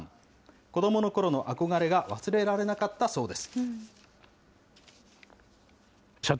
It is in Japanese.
子どものころの憧れが忘れられなかったそうです。